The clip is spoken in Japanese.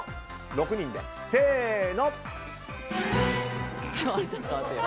６人で、せーの。